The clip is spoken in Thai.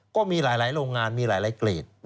ก็มีหลายโรงงานมีหลายเกรด